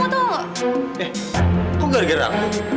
eh kok gara gara aku